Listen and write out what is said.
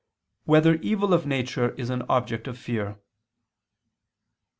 2] Whether Evil of Nature Is an Object of Fear?